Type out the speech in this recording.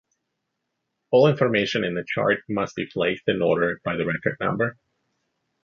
All information in the chart must be placed in order by the Record Number.